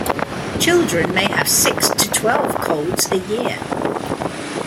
Children may have six to twelve colds a year.